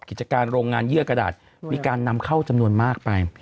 กิจการโรงงานเยื่อกระดาษมีการนำเข้าจำนวนมากไป